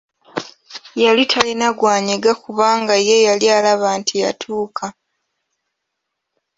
Yali talina gwanyega kubanga ye yali alaba nti yatuuka!